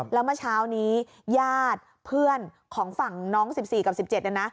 แล้วเมื่อเช้านี้ญาติเพื่อนของฝั่งน้อง๑๔กับ๑๗เนี่ยนะ